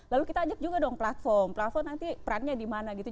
lalu kita ajak juga dong platform platform nanti perannya di mana gitu